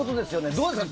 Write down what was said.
どうですか？